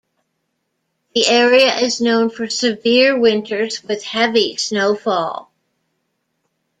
The area is known for severe winters with heavy snowfall.